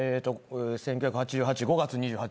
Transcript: １９８８５月２８日。